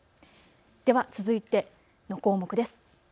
では続いての項目です。